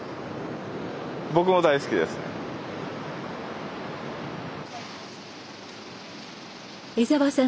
僕も大好きです。